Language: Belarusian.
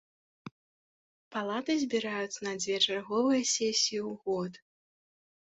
Палаты збіраюцца на дзве чарговыя сесіі ў год.